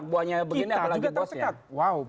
kita juga tercekat